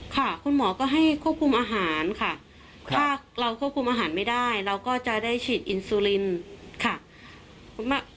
ค่ะคุณหมอก็ให้ควบคุมอาหารค่ะถ้าเราควบคุมอาหารไม่ได้เราก็จะได้ฉีดอินซูลินค่ะ